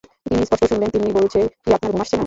তিনি স্পষ্ট শুনলেন, তিন্নি বলছে, কি, আপনার ঘুম আসছে না?